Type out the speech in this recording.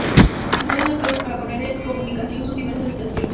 Se usaba en las casas para poner en comunicación sus diversas habitaciones.